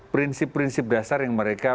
prinsip prinsip dasar yang mereka